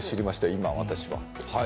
今、私は。